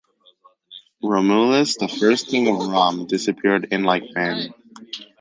Romulus, the first king of rom, disappeared in like manner.